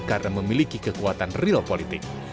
karena memiliki kekuatan real politik